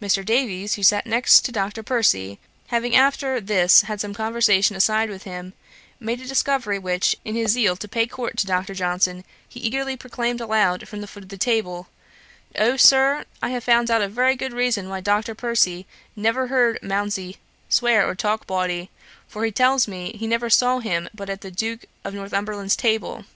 Mr. Davies, who sat next to Dr. Percy, having after this had some conversation aside with him, made a discovery which, in his zeal to pay court to Dr. Johnson, he eagerly proclaimed aloud from the foot of the table: 'O, Sir, I have found out a very good reason why Dr. Percy never heard Mounsey swear or talk bawdy; for he tells me, he never saw him but at the Duke of Northumberland's table.'